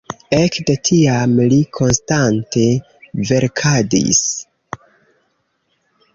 Ekde tiam li konstante verkadis.